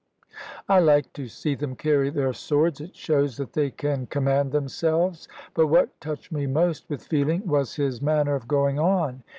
I like to see them carry their swords it shows that they can command themselves; but what touched me most with feeling was his manner of going on.